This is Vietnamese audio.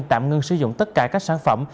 tạm ngưng sử dụng tất cả các sản phẩm